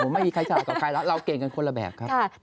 ไม่มีใครฉลาดกับใครแล้วเราเก่งกันคนละแบบครับ